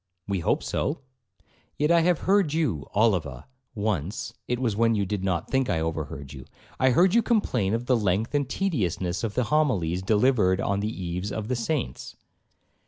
'We hope so.' 'Yet I have heard you, Oliva, once (it was when you did not think I overheard you) I heard you complain of the length and tediousness of the homilies delivered on the eves of the saints.'